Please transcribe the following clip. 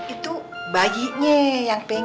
itu bayinya yang pengen